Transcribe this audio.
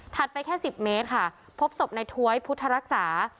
ไปแค่๑๐เมตรค่ะพบศพในถ้วยพุทธรักษา